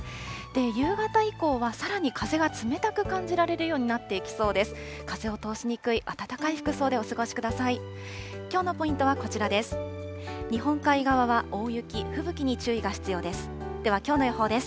夕方以降はさらに風が冷たく感じられるようになってきそうです。